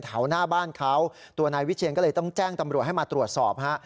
แถวหน้าบ้านเขาตัวนายวิเชียนก็เลยต้องแจ้งตำรวจให้มาตรวจสอบฮะ